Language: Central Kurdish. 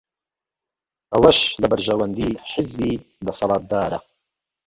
ئەوەش لە بەرژەوەندیی حیزبی دەسەڵاتدارە